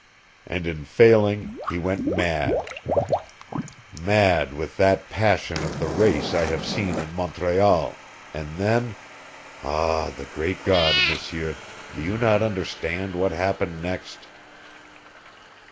And in failing he went mad mad with that passion of the race I have seen in Montreal, and then ah, the Great God, M'seur, do you not understand what happened next?"